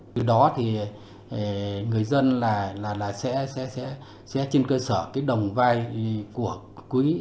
từ đó thì người dân sẽ trên cơ sở đồng vai của quỹ